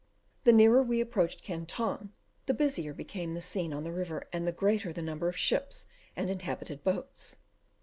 The nearer we approached Canton, the busier became the scene on the river, and the greater the number of ships and inhabited boats.